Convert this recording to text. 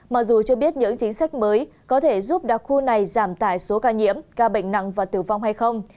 mặc dù chưa biết những chính sách mới có thể giúp đặc khu này giảm tải số ca nhiễm ca bệnh nặng và tử vong hay không